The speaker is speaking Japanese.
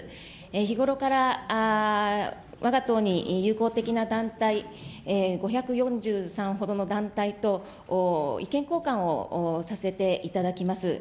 日頃からわが党に友好的な団体、５４３ほどの団体と意見交換をさせていただきます。